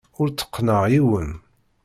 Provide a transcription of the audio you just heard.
Ur tteqqneɣ yiwen.